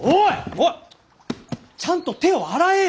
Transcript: おいちゃんと手を洗えよ！